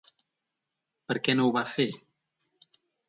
Per què no ho va fer?